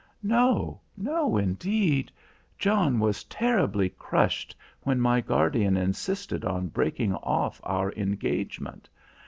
"No, no indeed! John was terribly crushed when my guardian insisted on breaking off our engagement.